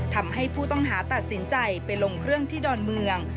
ทำให้ผู้ต้องหาตัดสินใจไปลงเครื่องที่ดอนเมือง